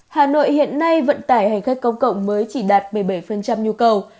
hà nội hiện nay vận tải hành khách công cộng mới chỉ đạt một mươi bảy nhu cầu